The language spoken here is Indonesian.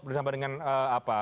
bersama dengan apa